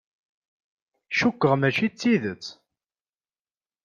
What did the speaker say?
Cukkeɣ mačči d tidett.